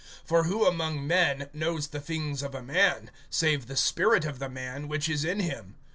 (11)For who among men knows the things of a man, save the spirit of the man, which is in him?